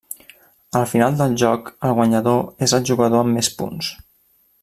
Al final del joc el guanyador és el jugador amb més punts.